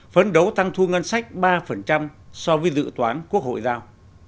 phấn đấu tăng thu ngân sách ba so với dự toán quốc hội giao